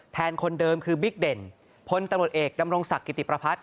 คนเดิมคือบิ๊กเด่นพลตำรวจเอกดำรงศักดิ์กิติประพัทธ